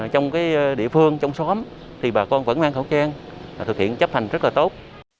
trong địa phương trong xóm thì bà con vẫn mang khẩu trang thực hiện chấp hành rất là tốt